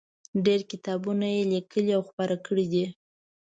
ډېر کتابونه یې لیکلي او خپاره کړي دي.